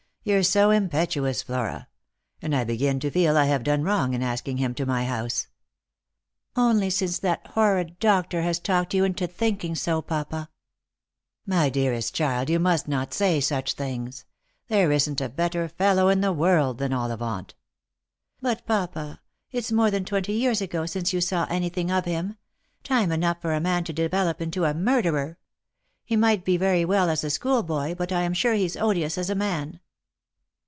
You're so impetuous, Flora; and I begin to feel I have done wrong in asking him to my house "" Only since that horrid doctor has talked you into thinking bo, papa." Lost for Love. 39 My dearest child, yon must not say such things. There isn't a better fellow in the world than Ollivant." " But, papa, it's more than twenty years ago since you saw anything of him; time enough for a man to develop into a murderer. He might be very well as a schoolboy, but I am sure he's odious as a man.""